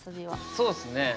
そうっすね。